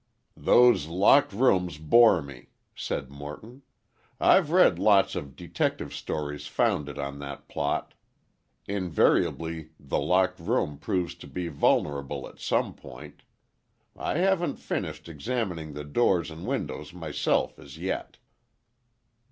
"Those locked rooms bore me," said Morton, "I've read lots of detective stories founded on that plot. Invariably the locked room proves to be vulnerable at some point. I haven't finished examining the doors and windows myself as yet."